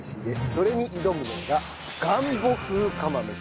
それに挑むのがガンボ風釜飯。